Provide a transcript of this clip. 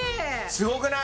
すごくない？